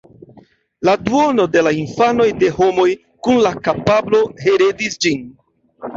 La duono de la infanoj de homoj kun la kapablo heredis ĝin.